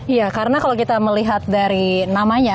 iya karena kalau kita melihat dari namanya